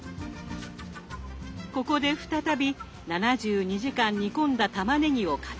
ここで再び７２時間煮込んだたまねぎを活用。